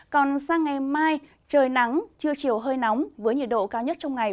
còn sang ngày mai trời nắng trưa chiều hơi nóng với nhiệt độ cao nhất trong ngày